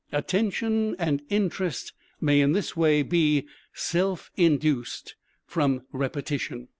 Attention and Interest may in this way be self induced from repetition.